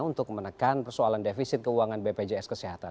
untuk menekan persoalan defisit keuangan bpjs kesehatan